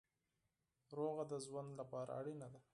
سوله د ژوند لپاره اړینه ده.